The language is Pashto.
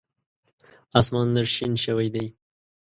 اسمان لږ شین شوی دی .